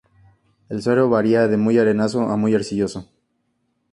El suelo varía de muy arenoso a muy arcilloso.